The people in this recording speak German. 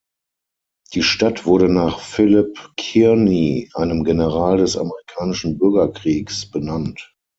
Die Stadt wurde nach Philip Kearny, einem General des Amerikanischen Bürgerkriegs, benannt.